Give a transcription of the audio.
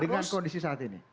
dengan kondisi saat ini